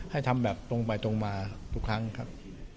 ทำแบบตรงไปตรงมาทุกครั้งครับ